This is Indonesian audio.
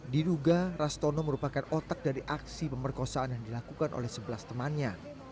diduga rastono merupakan otak dari aksi pemerkosaan yang dilakukan oleh sebelas temannya